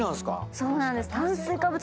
そうなんです。